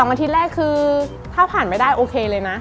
อาทิตย์แรกคือถ้าผ่านไม่ได้โอเคเลยนะ